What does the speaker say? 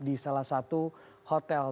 di salah satu hotel